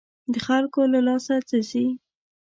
د خلکو له لاسه څه ځي.